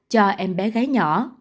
cho em bé gái nhỏ